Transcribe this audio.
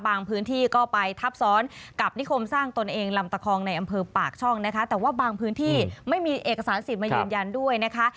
พื้นที่ก็ไปทับซ้อนกับนิคมสร้างตนเองลำตะคองในอำเภอปากช่องนะคะแต่ว่าบางพื้นที่ไม่มีเอกสารสิทธิ์มายืนยันด้วยนะคะ